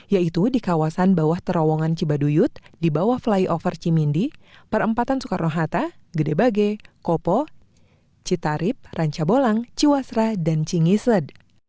yaitu di kawasan bawah terowongan cibaduyut di bawah flyover cimindi perempatan soekarno hatta gede bage kopo citarip ranca bolang ciwasra dan cingised